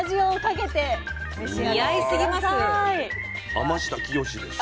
天下清です。